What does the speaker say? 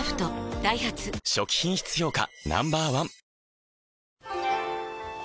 ダイハツ初期品質評価